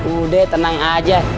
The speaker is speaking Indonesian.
udah tenang aja